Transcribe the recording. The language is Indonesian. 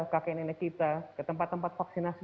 kakek nenek kita ke tempat tempat vaksinasi